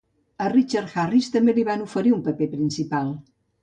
A Richard Harris també li van oferir un paper principal.